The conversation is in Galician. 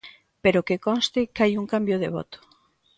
Pero que conste que hai un cambio de voto.